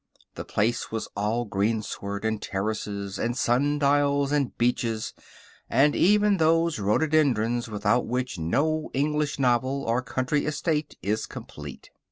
The place was all greensward, and terraces, and sundials, and beeches, and even those rhododendrons without which no English novel or country estate is complete.